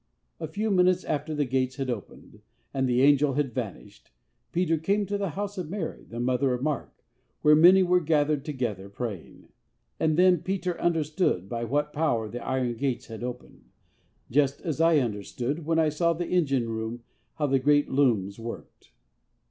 A few minutes after the gates had opened, and the angel had vanished, Peter 'came to the house of Mary, the mother of Mark, where many were gathered together praying.' And then Peter understood by what power the iron gates had opened, just as I understood, when I saw the engine room, how the great looms worked.